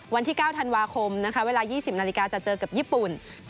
วันที่๙ธันวาคมนะคะเวลา๒๐นาฬิกาจะเจอกับญี่ปุ่น